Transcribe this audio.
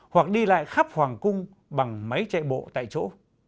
hoặc đi lại khắp hoàng cung bằng máy chạy bộ tại chỗ